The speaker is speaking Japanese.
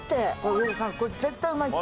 上田さんこれ絶対うまいって。